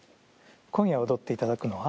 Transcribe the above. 今夜踊っていただくのは？